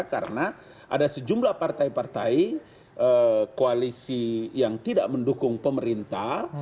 karena ada sejumlah partai partai koalisi yang tidak mendukung pemerintah